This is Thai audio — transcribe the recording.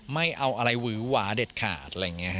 ไม่เอาอะไรหวือหวาเด็ดขาด